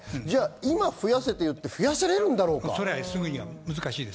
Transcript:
今、増やせと言って増やせられるんだろうか。